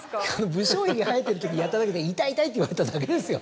無精ヒゲ生えてるときやっただけで痛い痛いって言われただけですよ。